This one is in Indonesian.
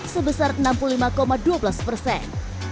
yang besar enam puluh lima dua belas persen